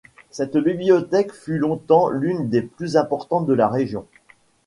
Cette bibliothèque fut longtemps l'une des plus importantes de la région.